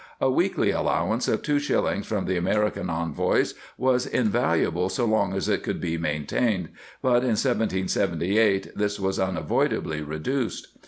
A weekly allowance of two shillings from the American envoys was invaluable so long as it could be maintained, but in 1778 this was unavoidably reduced.